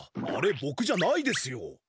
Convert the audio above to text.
あれぼくじゃないですよ。